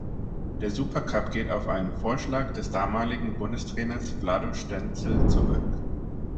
Der Supercup geht auf einen Vorschlag des damaligen Bundestrainers Vlado Stenzel zurück.